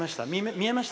見えました？